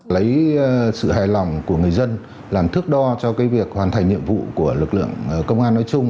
lấy sự hài lòng của người dân làm thước đo cho việc hoàn thành nhiệm vụ của lực lượng công an nói chung